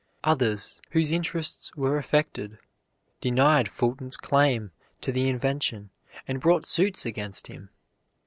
Others whose interests were affected denied Fulton's claim to the invention and brought suits against him.